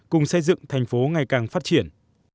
cùng xây dựng thành phố ngày càng phát triển